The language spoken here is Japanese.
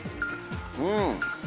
うん！